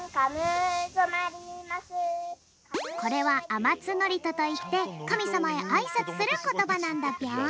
これは「あまつのりと」といってかみさまへあいさつすることばなんだぴょん。